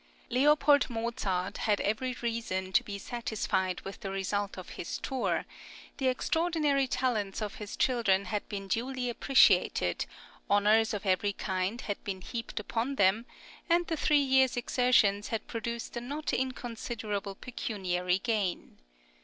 LEOPOLD MOZART had every reason to be satisfied with the result of his tour; the extraordinary talents of his children had been duly appreciated, honours of every kind had been heaped upon them, and the three years exertions had produced a not inconsiderable pecuniary gain.